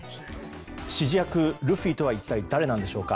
指示役ルフィとは一体誰なんでしょうか。